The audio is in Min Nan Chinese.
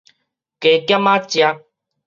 加減仔食